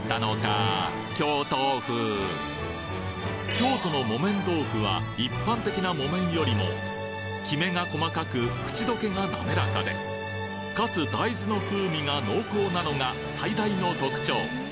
京都の木綿豆腐は一般的な木綿よりもキメが細かく口溶けがなめらかでかつ大豆の風味が濃厚なのが最大の特徴